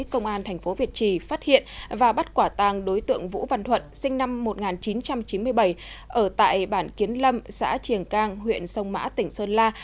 công an thành phố việt trì phát hiện và bắt quả tàng đối tượng vũ văn thuận sinh năm một nghìn chín trăm chín mươi bảy ở tại bản kiến lâm xã triềng cang huyện sông mã tỉnh sơn la